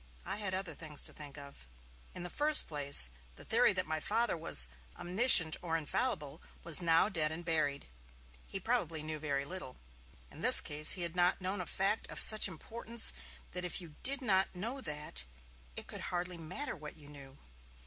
I had other things to think of. In the first place, the theory that my Father was omniscient or infallible was now dead and buried. He probably knew very little; in this case he had not known a fact of such importance that if you did not know that, it could hardly matter what you knew.